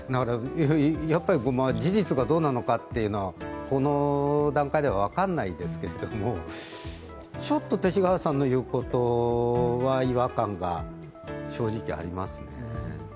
やっぱり事実がどうなのかというのはこの段階では分からないですけれども、ちょっと勅使河原さんの言うことは違和感が正直ありますね。